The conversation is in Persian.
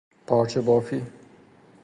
پارچه بافی